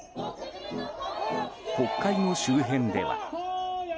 国会の周辺では。